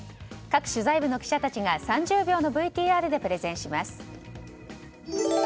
各取材部の記者たちが３０秒のＶＴＲでプレゼンします。